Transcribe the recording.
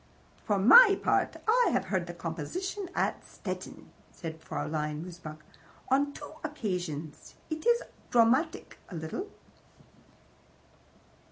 "For my part, I have heard the composition at Stettin," said Fraulein Mosebach. "On two occasions. It is dramatic, a little."